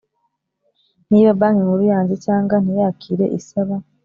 Niba Banki Nkuru yanze cyangwa ntiyakire isaba